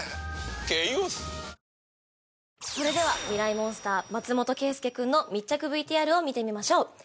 ミライ☆モンスター松本圭佑君の密着ＶＴＲを見てみましょう。